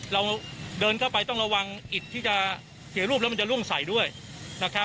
เราเดินเข้าไปต้องระวังอิดที่จะเสียรูปแล้วมันจะล่วงใส่ด้วยนะครับ